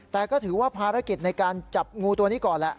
แต่ก็ถือว่าภารกิจในการจับงูตัวนี้ก่อนแหละ